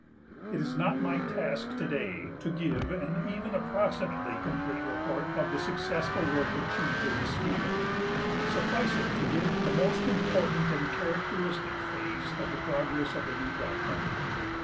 It is not my task to day to give an even approximately complete report of the successful work achieved in this field; suffice it to give the most important and characteristic phase of the progress of the new doctrine.